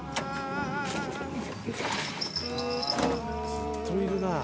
ずっといるなぁ。